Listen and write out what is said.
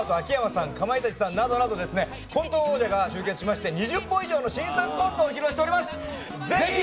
ロバート秋山さん、かまいたちさんなどなど、コント王者が集結しまして２０本以上の新作コントを披露します。